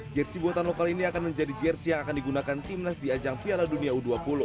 jersi buatan lokal ini akan menjadi jersi yang akan digunakan timnas di ajang piala dunia u dua puluh